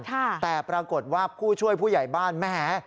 แต่ปรากฏว่าผู้ช่วยผู้ใหญ่บ้านแหม